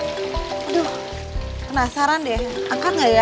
aduh penasaran deh akan gak ya